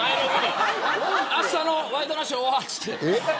あしたのワイドナショーはって。